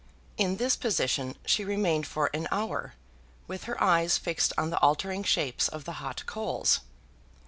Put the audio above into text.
In this position she remained for an hour, with her eyes fixed on the altering shapes of the hot coals.